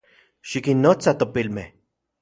Xikinnotsa topilmej